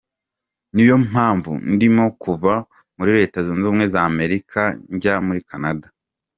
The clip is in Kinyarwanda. Niyo mpamvu ndimo kuva muri Leta Zunze Ubumwe za Amerika njya muri Canada.